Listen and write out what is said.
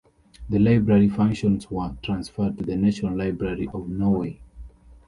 The library functions were transferred to the National Library of Norway.